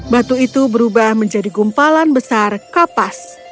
batu itu berubah menjadi gumpalan besar kapas